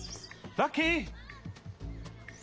ラッキー！